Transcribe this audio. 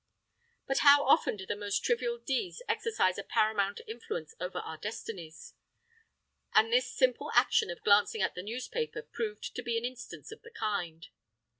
But how often do the most trivial deeds exercise a paramount influence over our destinies! And this simple action of glancing at the newspaper proved to be an instance of the kind.